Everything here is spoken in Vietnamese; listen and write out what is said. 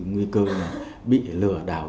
nguy cơ bị lừa đảo